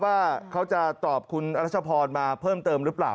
ว่าเขาจะตอบคุณรัชพรมาเพิ่มเติมหรือเปล่า